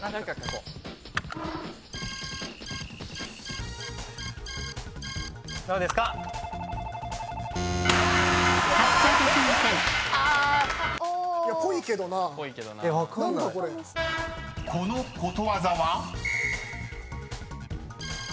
［このことわざは？］